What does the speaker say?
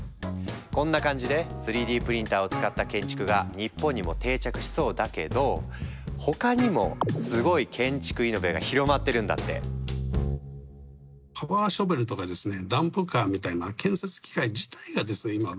こんな感じで３Ｄプリンターを使った建築が日本にも定着しそうだけど他にもすごい建築イノベが広まってるんだって。ということが言えますね。